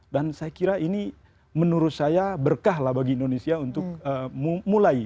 dan saya kira ini menurut saya berkah lah bagi indonesia untuk mulai